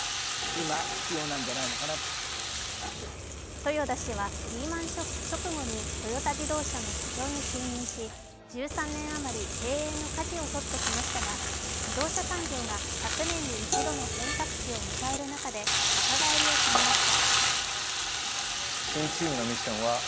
豊田氏はリーマン・ショック直後にトヨタ自動車の社長に就任し１３年あまり経営のかじを取ってきましたが自動車産業が１００年に一度の変革期を迎える中で若返りを決めました。